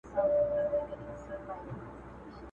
او که هر یو د ځان په غم دی له یخنیه غلی؛